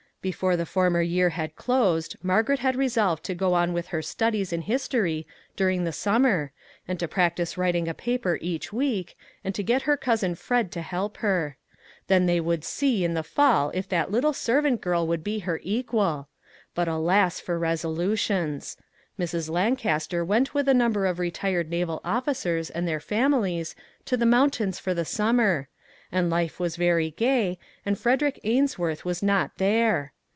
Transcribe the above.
Before the former year had closed Margaret had resolved to go on with her studies in history during the sum mer, and to practice writing a paper each week, and to get her cousin Fred to help her. Then they would see in the fall if that little servant girl would be her equal ! But, alas ! for resolu tions. Mrs. Lancaster went with a number of retired naval officers and their families to the mountains for the summer, and life was very gay, and Frederick Ainsworth was not there.